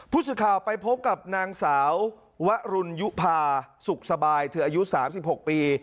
ผู้สื่อข่าวไปพบกับนางสาววรุณยุภาสุขสบายเธออายุ๓๖ปี